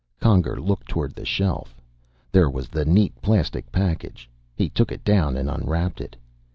Conger looked toward the shelf. There was the neat plastic package. He took it down and unwrapped it.